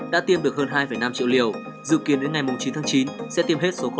đã tiêm được hơn hai năm triệu liều dự kiến đến ngày chín tháng chín sẽ tiêm hết số ca